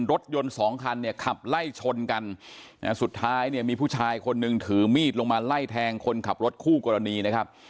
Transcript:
รถยนต์สองคันเนี่ยขับไล่ชนกันสุดท้ายเนี่ยมีผู้ชายคนหนึ่งถือมีดลงมาไล่แทงคนขับรถคู่กรณีนะครับ